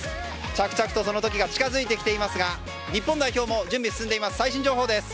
着々とその時が近づいてきていますが日本代表も準備が進んでいます。